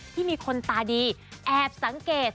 ที่มีคนตาดีแอบสังเกต